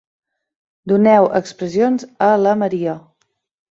Doneu expressions a la Maria.